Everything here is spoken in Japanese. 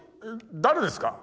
誰ですか？